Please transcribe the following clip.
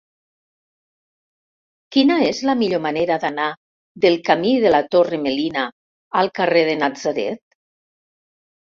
Quina és la millor manera d'anar del camí de la Torre Melina al carrer de Natzaret?